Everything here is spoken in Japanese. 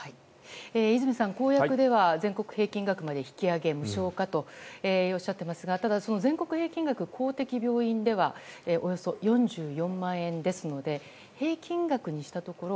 泉さんでは公約では全国平均額まで引き上げ無償化とおっしゃっていますがただ、全国平均額は公的病院ではおよそ４４万円ですので平均額にしたところ